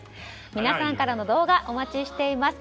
皆さんの動画お待ちしています。